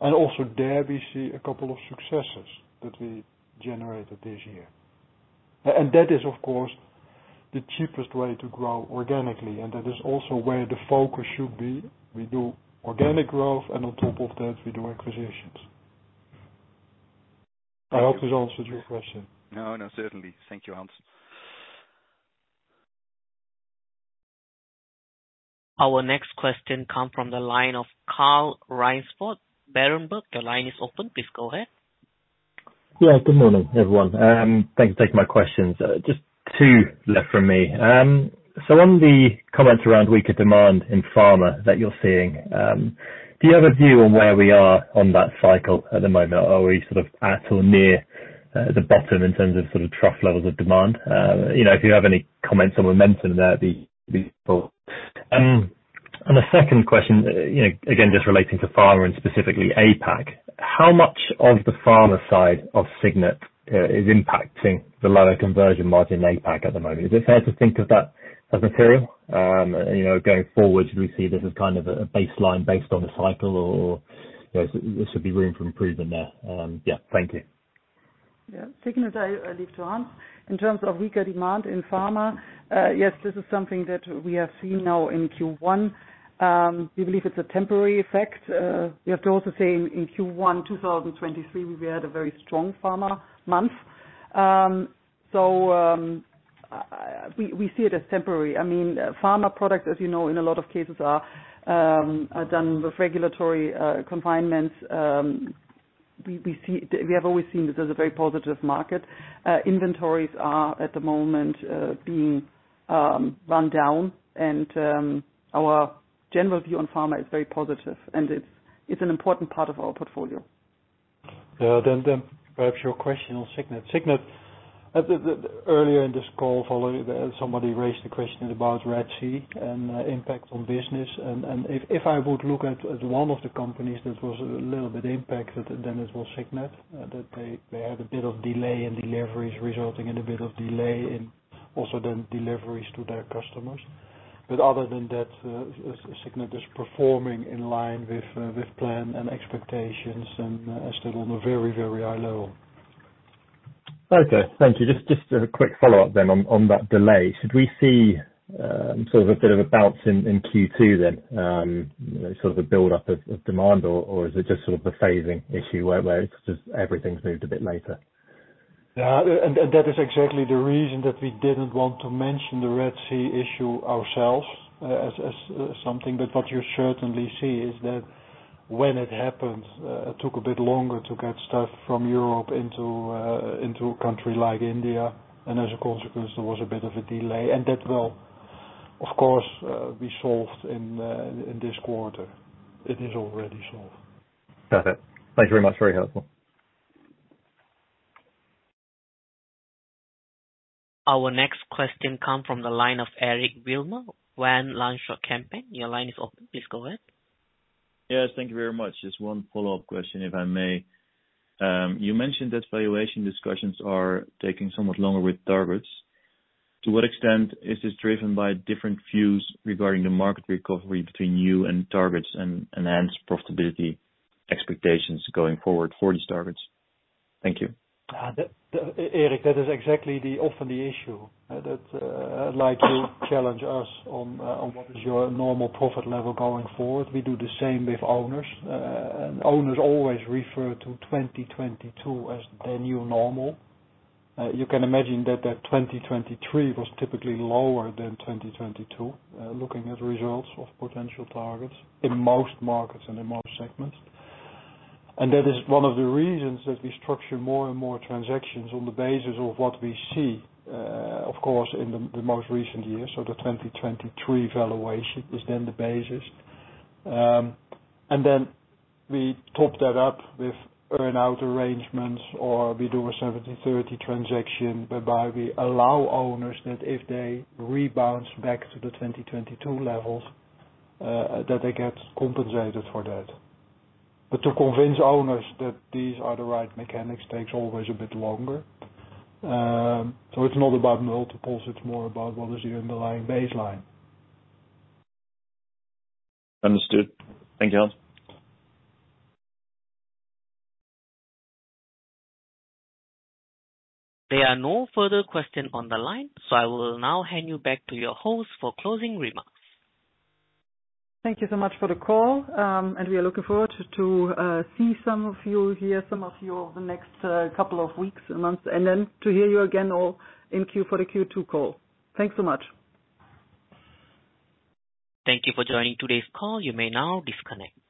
And also there, we see a couple of successes that we generated this year. And that is, of course, the cheapest way to grow organically. And that is also where the focus should be. We do organic growth, and on top of that, we do acquisitions. I hope this answered your question. No. No. Certainly. Thank you, Hans. Our next question comes from the line of Carl Raynsford, Berenberg. Your line is open. Please go ahead. Yeah. Good morning, everyone. Thanks for taking my questions. Just two left from me. So on the comments around weaker demand in pharma that you're seeing, do you have a view on where we are on that cycle at the moment? Are we sort of at or near the bottom in terms of sort of trough levels of demand? If you have any comments on momentum there, be thoughtful. The second question, again, just relating to pharma and specifically APAC, how much of the pharma side of Signet is impacting the lower conversion margin in APAC at the moment? Is it fair to think of that as material? Going forward, do we see this as kind of a baseline based on the cycle, or there should be room for improvement there? Yeah. Thank you. Yeah. Second of that, I leave to Hans. In terms of weaker demand in pharma, yes, this is something that we have seen now in Q1. We believe it's a temporary effect. We have to also say, in Q1, 2023, we had a very strong pharma month. So we see it as temporary. I mean, pharma products, as you know, in a lot of cases, are done with regulatory constraints. We have always seen this as a very positive market. Inventories are at the moment being run down. Our general view on pharma is very positive, and it's an important part of our portfolio. Yeah. Perhaps your question on Signet. Signet, earlier in this call, somebody raised a question about Red Sea and impact on business. If I would look at one of the companies that was a little bit impacted, then it was Signet, that they had a bit of delay in deliveries resulting in a bit of delay in also then deliveries to their customers. Other than that, Signet is performing in line with plan and expectations and still on a very, very high level. Okay. Thank you. Just a quick follow-up then on that delay. Should we see sort of a bit of a bounce in Q2 then, sort of a buildup of demand, or is it just sort of the phasing issue where everything's moved a bit later? Yeah. And that is exactly the reason that we didn't want to mention the Red Sea issue ourselves as something. But what you certainly see is that when it happened, it took a bit longer to get stuff from Europe into a country like India. And as a consequence, there was a bit of a delay. And that will, of course, be solved in this quarter. It is already solved. Perfect. Thank you very much. Very helpful. Our next question comes from the line of Eric Wilmer, van lanschot kempen. Your line is open. Please go ahead. Yes. Thank you very much. Just one follow-up question, if I may. You mentioned that valuation discussions are taking somewhat longer with targets. To what extent is this driven by different views regarding the market recovery between you and targets and hence profitability expectations going forward for these targets? Thank you. Eric, that is exactly often the issue that you challenge us on what is your normal profit level going forward. We do the same with owners. And owners always refer to 2022 as their new normal. You can imagine that 2023 was typically lower than 2022 looking at results of potential targets in most markets and in most segments. And that is one of the reasons that we structure more and more transactions on the basis of what we see, of course, in the most recent years. So the 2023 valuation is then the basis. And then we top that up with earn-out arrangements, or we do a 70/30 transaction whereby we allow owners that if they rebound back to the 2022 levels, that they get compensated for that. But to convince owners that these are the right mechanics takes always a bit longer. So it's not about multiples. It's more about what is the underlying baseline. Understood. Thank you, Hans. There are no further questions on the line, so I will now hand you back to your host for closing remarks. Thank you so much for the call. And we are looking forward to see some of you here, some of you over the next couple of weeks and months, and then to hear you again all in Q4 for the Q2 call. Thanks so much. Thank you for joining today's call. You may now disconnect.